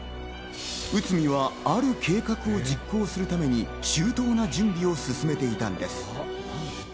内海はある計画を実行するために周到な準備を進めていたのです。